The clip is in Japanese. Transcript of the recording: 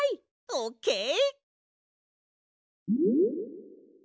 オッケー！